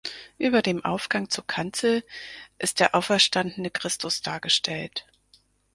Über dem Aufgang zur Kanzel ist der auferstandene Christus dargestellt.